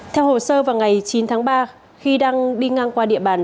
theo hồ sơ vào ngày chín tháng ba khi đang đi ngang qua địa bàn